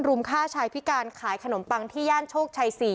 ฆ่าชายพิการขายขนมปังที่ย่านโชคชัย๔